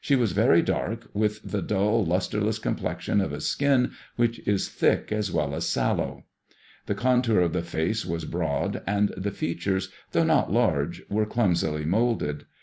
was very dark, with the dull lustreless complexion of a skin which is thick as well as sallow. The contour of the face was broady and the features, though not lai*ge, were clumsily moulded.